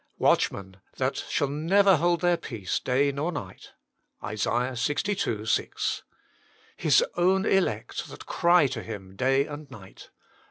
"Watchmen, that shall never hold their peace day nor night." ISA. Ixii. 6. "His own elect, that cry to Him day and night."